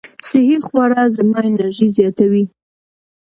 صحي خواړه زما انرژي زیاتوي.